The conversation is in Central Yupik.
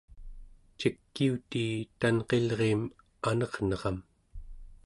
cikiutii tanqilriim anerneram